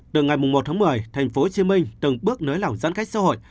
từ ngày một tháng một mươi tp hcm từng bước nới lỏng giãn cách xã hội